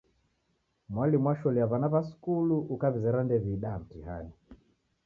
Mwalimu washolia wana wa skulu, ukawizera ndew'iida mtihani.